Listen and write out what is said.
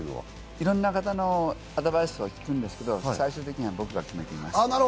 いろんな方のアドバイスを聞くんですけど、最終的には僕が決めています。